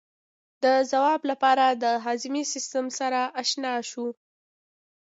د ځواب لپاره د هاضمې سیستم سره آشنا شو.